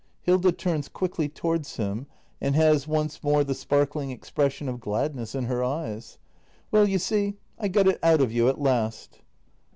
Hilda. [Turns quickly toioards him and has once more the sparkling expression of gladness in her eyes.] Well, you see, I got it out of you at last!